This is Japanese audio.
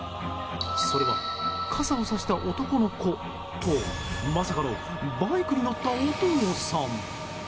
それは、傘をさした男の子とまさかのバイクに乗ったお父さん。